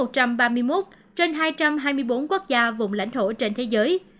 tổng số ca tử vong trên hai trăm ba mươi một trên hai trăm hai mươi bốn quốc gia vùng lãnh thổ trên thế giới